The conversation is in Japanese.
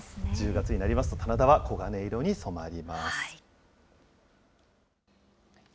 １０月になりますと、棚田は黄金色に染まります。